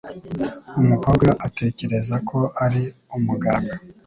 Umukobwa atekereza ko ari umuganga.